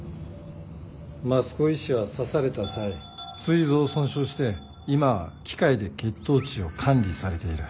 益子医師は刺された際膵臓を損傷して今機械で血糖値を管理されている。